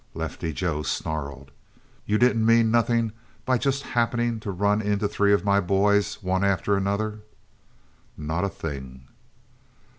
Lefty Joe snarled. "You didn't mean nothing by just 'happening' to run into three of my boys one after another?" "Not a thing."